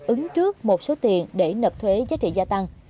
ứng trước một số tiền để nợ thuế giá trị gia tăng